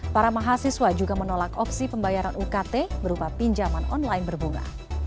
para mahasiswa juga menolak opsi pembayaran ukt berupa pinjaman online berbunga